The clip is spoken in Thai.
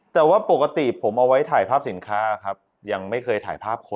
แต่ว่าปกติผมเอาไว้ถ่ายภาพสินค่าครับ